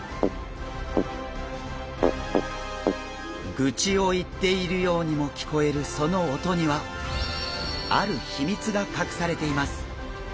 グチを言っているようにも聞こえるその音にはある秘密が隠されています！